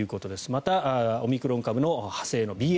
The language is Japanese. また、オミクロン株の派生のＢＡ．